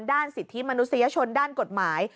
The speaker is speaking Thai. สิทธิมนุษยชนด้านกฎหมาย